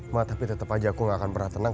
ma tapi tetep aja aku gak akan pernah tenang